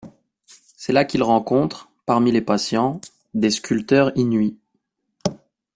C'est là qu'il rencontre, parmi les patients, des sculpteurs Inuits.